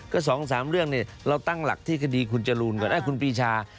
ก็สองสามเรื่องนี่เราตั้งหลักที่คดีคุณปรีชา